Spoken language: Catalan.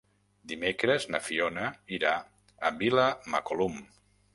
Dimecres na Fiona irà a Vilamacolum.